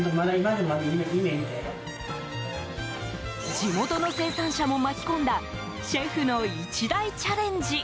地元の生産者も巻き込んだシェフの一大チャレンジ。